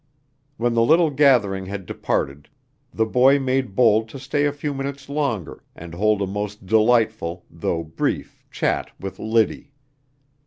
When the little gathering had departed, the boy made bold to stay a few minutes longer and hold a most delightful though brief chat with Liddy.